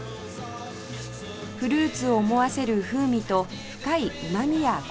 フルーツを思わせる風味と深いうまみやコクが特徴です